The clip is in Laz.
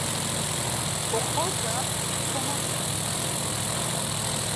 Oxorca ukimoce kodoskidu.